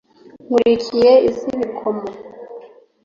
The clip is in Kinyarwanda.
nkurikiye iz’ibikomo,